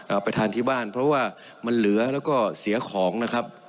เอาไปทานที่บ้านเพราะว่ามันเหลือแล้วก็เสียของนะครับ